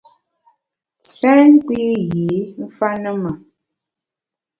Sèn nkpi yî mfa ne ma!